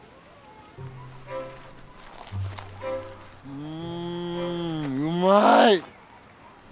うんうまい！